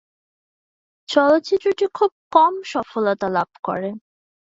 চলচ্চিত্রটি খুব কম সফলতা লাভ করে।